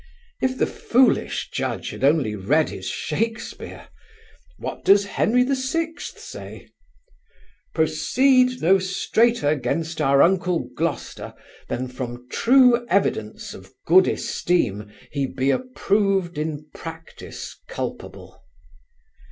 If the foolish Judge had only read his Shakespeare! What does Henry VI say: Proceed no straiter 'gainst our uncle Gloucester Than from true evidence of good esteem He be approved in practice culpable.